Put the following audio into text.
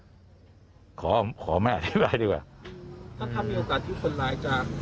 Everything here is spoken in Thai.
ถ้าท่านมีโอกาสที่คนร้ายจะข้ามชายแดนได้ยังไง